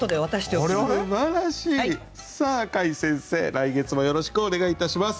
来月もよろしくお願いいたします。